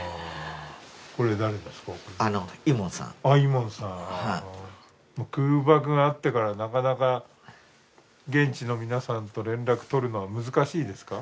もう空爆があってからなかなか現地の皆さんと連絡取るのは難しいですか？